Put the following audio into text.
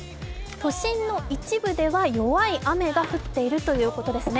都心の一部では、弱い雨が降っているということですね。